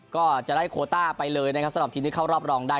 ก็จะได้โคต้าไปเลยนะครับสำหรับทีมที่เข้ารอบรองได้